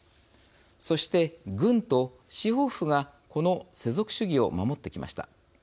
そして、軍と司法府がこの世俗主義を守ってきました。